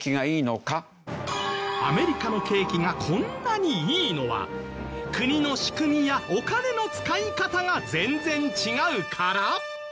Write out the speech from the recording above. アメリカの景気がこんなにいいのは国の仕組みやお金の使い方が全然違うから？